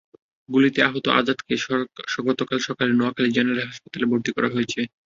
গুলিতে আহত আজাদকে গতকাল সকালে নোয়াখালী জেনারেল হাসপাতালে ভর্তি করা হয়েছে।